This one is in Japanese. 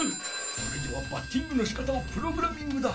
それではバッティングのしかたをプログラミングだ。